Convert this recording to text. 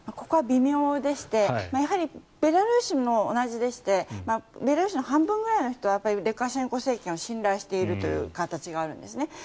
ここは微妙でしてベラルーシも同じでしてベラルーシの半分くらいの人はルカシェンコ政権を信頼しているという形があるんですね。